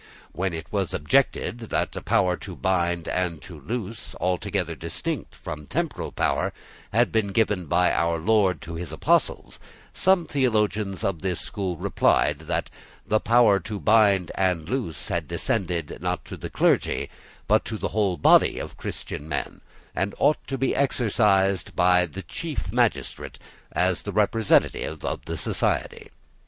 When it was objected that a power to bind and to loose, altogether distinct from temporal power, had been given by our Lord to his apostles, some theologians of this school replied that the power to bind and to loose had descended, not to the clergy, but to the whole body of Christian men, and ought to be exercised by the chief magistrate as the representative of the society.